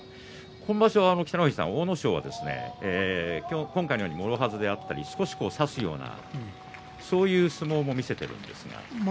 今場所は北の富士さん阿武咲は今回のようにもろはずだったり少し差すようなそういう相撲を見せています。